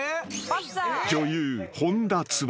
［女優］